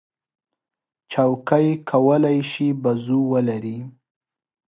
چوکۍ کولی شي بازو ولري.